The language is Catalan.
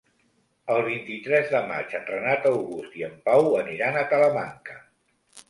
El vint-i-tres de maig en Renat August i en Pau aniran a Talamanca.